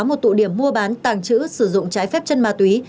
một tụ điểm mua bán tàng trữ sử dụng trái phép chân ma túy